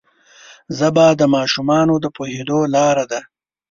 ژبه د ماشومانو د پوهېدو لاره ده